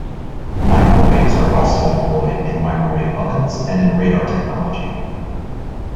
Microwaves are also employed in microwave ovens and in radar technology.